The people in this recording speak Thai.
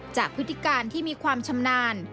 พฤติการที่มีความชำนาญ